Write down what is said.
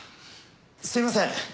すいません！